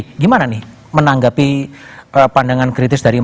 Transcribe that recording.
mas biadi gimana nih menanggapi pandangan kritis dari mas biadi